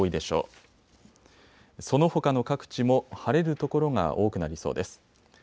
そのほかの各地も晴れる所が多くなりそうです。